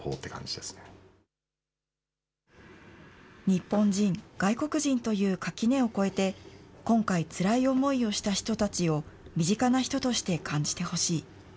日本人、外国人という垣根を越えて、今回、つらい思いをした人たちを身近な人として感じてほしい。